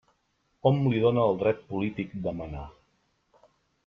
Hom li dóna el dret polític de manar.